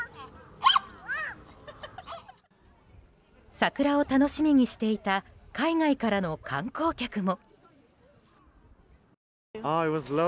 桜を楽しみにしていた海外からの観光客も。